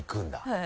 はい。